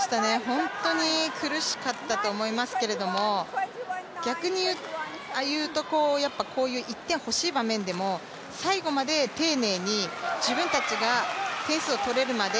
本当に苦しかったと思いますけれども逆にああいう１点欲しい場面でも最後まで丁寧に自分たちが点数をとれるまで